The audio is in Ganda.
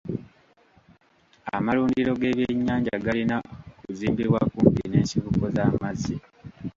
Amalundiro g'ebyennyanja galina kuzimbibwa kumpi n'ensibuko z'amazzi.